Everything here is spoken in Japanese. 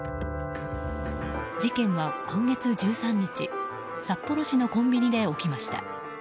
事件は今月１３日札幌市のコンビニで起きました。